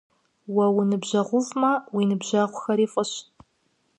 Уэ уныбжьэгъуфӀмэ, уи ныбжьэгъухэри фӀыщ.